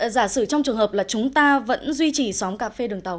giả sử trong trường hợp là chúng ta vẫn duy trì xóm cà phê đường tàu